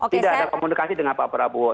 tidak ada komunikasi dengan pak prabowo